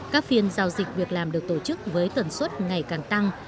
các phiên giao dịch việc làm được tổ chức với tần suất ngày càng tăng